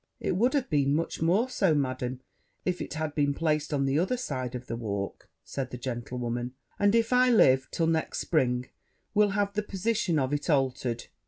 'It would have been much more so, Madam, if it had been placed on the other side of the walk,' said the gentlewoman; 'and, if I live till next spring, will have the position of it altered.